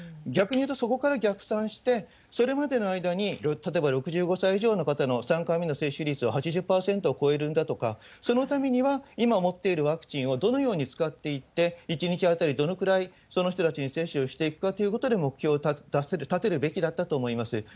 逆に言うとそこから逆算して、それまでの間に、例えば６５歳以上の方の３回目の接種率を８０％を超えるんだとか、そのためには、今持っているワクチンをどのように使っていって、１日当たりどのくらいその人たちに接種をしていくかということで目標を立てるべきだったと思います。